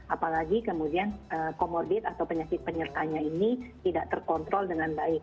apalagi kemudian comorbid atau penyakit penyertanya ini tidak terkontrol dengan baik